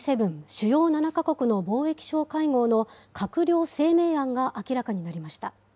・主要７か国の貿易相会合の閣僚声明案が明らかになりました。